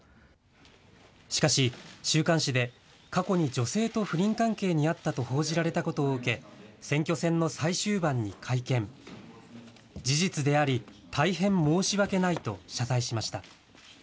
しかし、週刊誌で過去に女性と不倫関係にあったと報じられたことを受け選挙戦の最終盤に会見、事実であり、大変申し訳ないと謝罪しました。